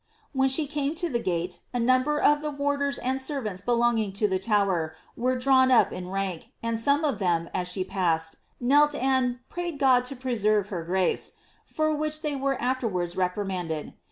When she camt to the gate a number of the warders and servants belonging to the Tower were drawn up in rank, and some of them, as she passed, knelt and ^ prayed God to preserve her grace," for which they were afterwards reprinmnded.